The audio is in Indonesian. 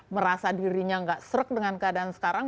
merasa dirinya gak serak dengan keadaan sekarang